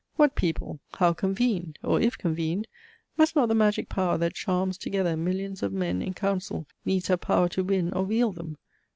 "What people? How convened? or, if convened, Must not the magic power that charms together Millions of men in council, needs have power To win or wield them?